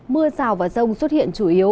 mưa rào và rông xuất hiện chủ yếu